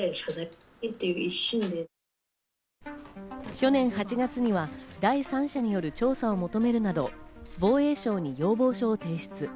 去年８月には第三者による調査を求めるなど、防衛省に要望書を提出。